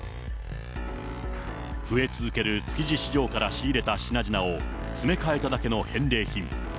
増え続ける築地市場から仕入れた品々を詰め替えただけの返礼品。